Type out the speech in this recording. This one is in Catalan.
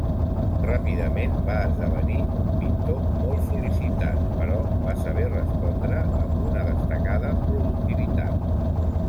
Ràpidament va esdevenir un pintor molt sol·licitat, però va saber respondre amb una destacada productivitat.